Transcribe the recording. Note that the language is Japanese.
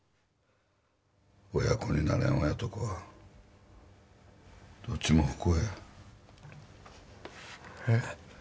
親子になれん親と子はどっちも不幸やえ